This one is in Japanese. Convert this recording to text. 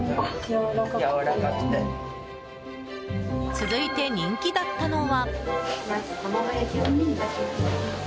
続いて、人気だったのは。